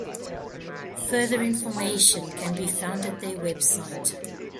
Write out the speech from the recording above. Further information can be found at their website.